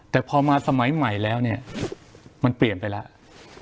แต่พอมาสมัยใหม่แล้วเนี่ยมันเปลี่ยนไปแล้ว